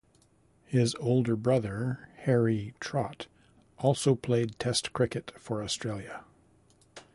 His older brother, Harry Trott also played Test cricket for Australia.